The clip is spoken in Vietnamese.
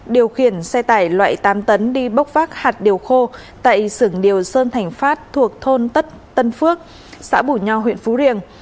điều khiển xe tải loại tám tấn đi bốc vác hạt điều khô tại xưởng điều sơn thành phát thuộc thôn tất tân phước xã bủ nho huyện phú riêng